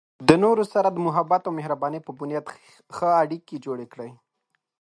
د نورو سره د محبت او مهربانۍ په بنیاد ښه اړیکې جوړې کړئ.